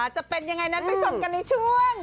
จะเป็นยังไงนั้นไปชมกันในช่วง